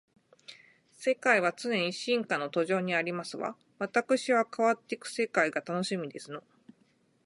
世界は常に進化の途上にありますわ。わたくしは変わっていく世界が楽しみですの